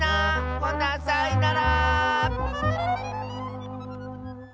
ほなさいなら！